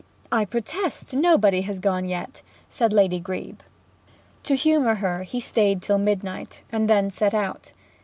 'I protest nobody has gone yet,' said Lady Grebe. To humour her he stayed till midnight, and then set out.